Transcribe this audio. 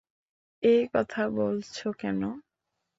এ কথা বলছ কেন?